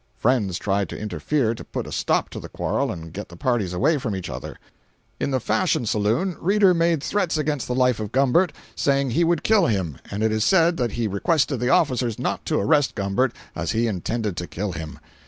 Friends tried to interfere to put a stop to the quarrel and get the parties away from each other. In the Fashion Saloon Reeder made threats against the life of Gumbert, saying he would kill him, and it is said that he requested the officers not to arrest Gumbert, as he intended to kill him.